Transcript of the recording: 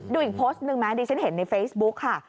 ดูอีกโพสต์หนึ่งไหมดิฉันเห็นในเฟซบุ๊กค่ะ